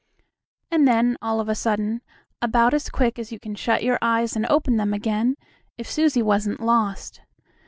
And then, all of a sudden, about as quick as you can shut your eyes and open them again, if Susie wasn't lost!